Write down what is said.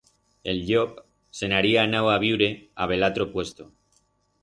El llop se'n haría anau a viure a bell atro puesto.